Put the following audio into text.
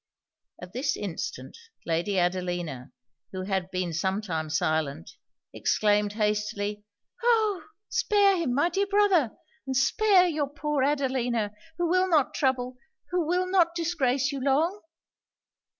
At this instant Lady Adelina, who had been some time silent, exclaimed hastily 'Oh! spare him! my dear brother! and spare your poor Adelina! who will not trouble who will not disgrace you long!'